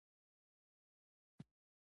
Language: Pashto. خو مامنور کاکا همدا ولي حضرت ټینګ کړی وو.